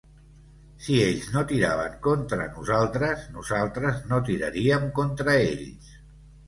Si ells no tiraven contra nosaltres, nosaltres no tiraríem contra ells